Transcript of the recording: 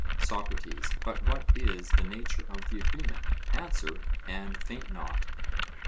SOCRATES: But what is the nature of the agreement? answer, and faint not.